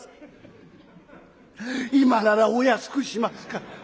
今ならお安くしますから。